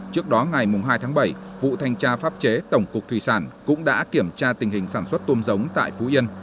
trước đó ngày hai tháng bảy vụ thanh tra pháp chế tổng cục thủy sản cũng đã kiểm tra tình hình sản xuất tôm giống tại phú yên